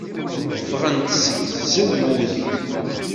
Ffɣent seg tzewwut.